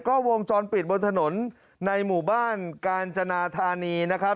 ก็วงจรปิดบนถนนในหมู่บ้านกาญจนาธานีนะครับ